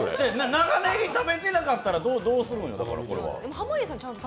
長ねぎ食べてなかったらどうするのよ。